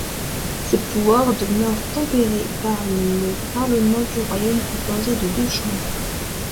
Ces pouvoirs demeurent tempérés par le parlement du royaume, composé de deux chambres.